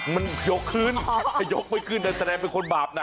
มันยกขึ้นยกไม่ขึ้นนั่นแสดงเป็นคนบาปนั้น